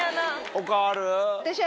他ある？